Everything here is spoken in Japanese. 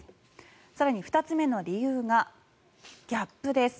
更に２つ目の理由がギャップです。